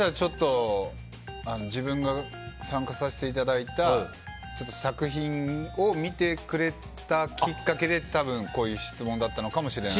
自分が参加させていただいた作品を見てくれたきっかけで、多分こういう質問だったのかもしれません。